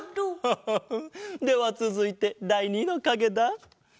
ハハハではつづいてだい２のかげだ。